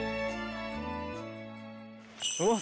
うわっ